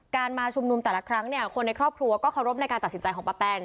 มาชุมนุมแต่ละครั้งเนี่ยคนในครอบครัวก็เคารพในการตัดสินใจของป้าแป้น